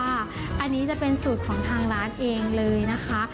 อันนี้จะเป็นสูตรของทางร้านเองเลยนะคะ